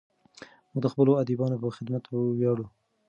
موږ د خپلو ادیبانو په خدمت ویاړو.